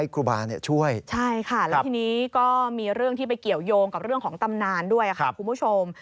ก็มีเรื่องที่ไปเกี่ยวยงกับเรื่องของตำนานด้วยค่ะคุณผู้ชม